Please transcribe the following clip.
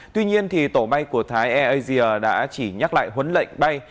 tuy nhiên thì tổ bay của thái air asia đã chỉ nhắc lại huấn lệnh bay